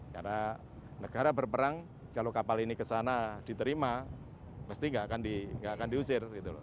karena negara berperang kalau kapal ini kesana diterima pasti gak akan diusir gitu loh